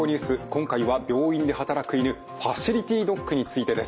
今回は病院で働く犬ファシリティドッグについてです。